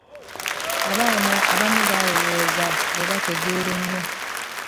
abaana abamu balowooza be bategeera ennyo